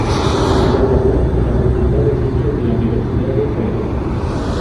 Se graduó en la facultad de ciencias de la Universidad de Zagreb.